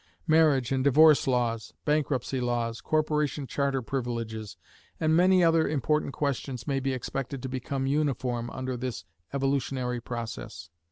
Marriage and divorce laws, bankruptcy laws, corporation charter privileges, and many other important questions may be expected to become uniform under this evolutionary process.